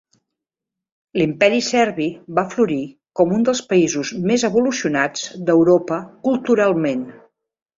L'Imperi Serbi va florir com un dels països més evolucionats d'Europa culturalment.